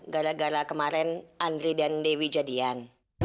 gara gara kemarin andri dan dewi jadian